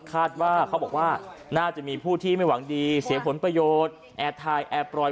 คาดว่าเขาบอกว่าน่าจะมีผู้ที่ไม่หวังดีเสียผลประโยชน์แอบถ่ายแอบปล่อย